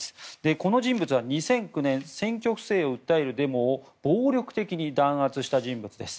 この人物は２００９年選挙不正を訴えるデモを暴力的に弾圧した人物です。